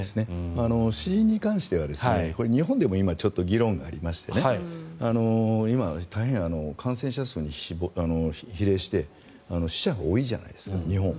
死因に関しては日本でも今、議論がありまして今、大変、感染者数に比例して死者が多いじゃないですか日本は。